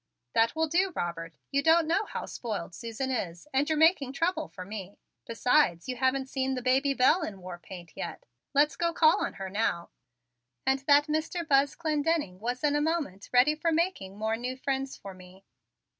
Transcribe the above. "That will do, Robert; you don't know how spoiled Susan is and you're making trouble for me. Besides, you haven't seen the baby Belle in war paint yet. Let's go call on her now!" And that Mr. Buzz Clendenning was in a moment ready for making more new friends for me.